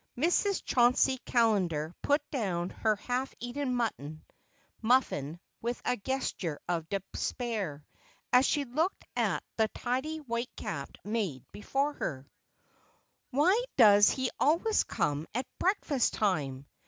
Mrs. Chauncey Callender put down her half eaten muffin with a gesture of despair, as she looked at the tidy, white capped maid before her. "Why does he always come at breakfast time?